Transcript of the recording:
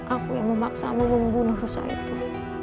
aku yang memaksamu membunuh rusa itu